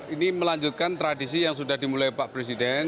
ini melanjutkan tradisi yang sudah dimulai pak presiden